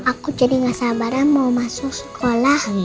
aku jadi gak sabar ya mau masuk sekolah